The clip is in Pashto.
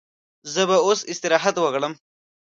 زه به اوس استراحت وکړم.